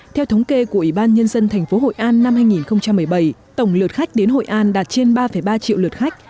theo thống kê của ủy ban nhân dân thành phố hội an năm hai nghìn một mươi bảy tổng lượt khách đến hội an đạt trên ba ba triệu lượt khách